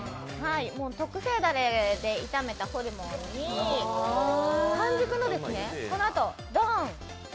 特製だれで炒めたホルモンに半熟の、このあとドーン！